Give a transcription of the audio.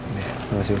terima kasih om